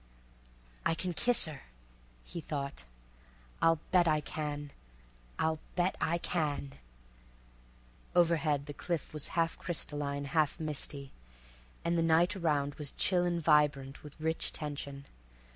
"I can kiss her," he thought. "I'll bet I can. I'll bet I can!" Overhead the sky was half crystalline, half misty, and the night around was chill and vibrant with rich tension.